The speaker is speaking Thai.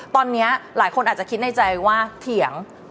ตอนนี้หลายคนอาจจะคิดในใจว่าเถียง